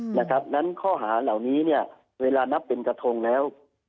หลายครั้งนั้นข้อหาเหล่านี้เวลานับเป็นกระทงแล้ว